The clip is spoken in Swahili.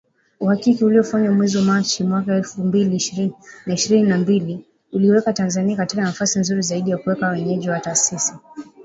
Uhakiki uliofanyika mwezi Machi mwaka elfu mbili na ishirini na mbili uliiweka Tanzania katika nafasi nzuri zaidi kuwa mwenyeji wa taasisi